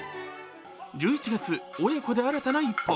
１１月、親子で新たな一歩。